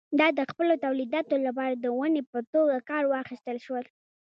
دا د خپلو تولیداتو لپاره د ونې په توګه کار واخیستل شول.